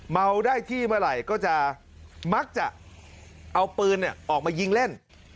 เมาได้ที่เมื่อไหร่ก็จะมักจะเอาปืนออกมายิงเล่น